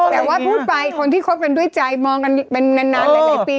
แต่ว่าพูดไปคนที่คบกันด้วยใจมองกันเป็นนานหลายปี